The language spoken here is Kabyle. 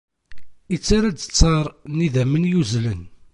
Ittarra-d ttar n yidammen yuzzlen.